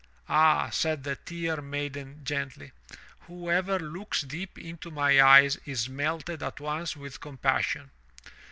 "Ah," said the Tear Maiden gently, "whoever looks deep into my eyes is melted at once with compassion."